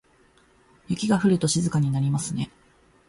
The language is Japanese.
雪が降ると静かになりますね。